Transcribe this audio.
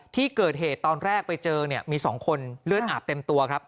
ที่เกิดเหตุตอนแรกไปเจอเนี่ยมี๒คนเลือดอาบเต็มตัวครับ